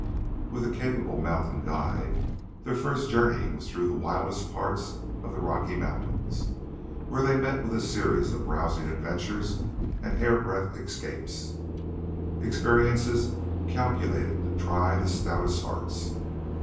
With a capable mountain guide, their first journey was through the wildest part of the Rocky Mountains, where they met with a series of rousing adventures and hair breadth escapes experiences calculated to try the stoutest hearts.